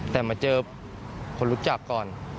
แต่มาเจอคนรู้จักก่อน